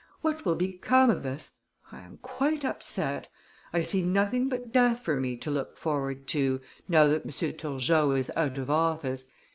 What will become of us? I am quite upset. I see nothing but death for me to look forward to, now that M. Turgot is out of office.